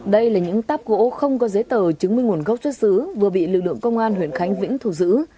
đây là những táp gỗ không có giấy tờ chứng minh nguồn gốc xuất xứ vừa bị lực lượng công an huyện khánh vĩnh thù giữ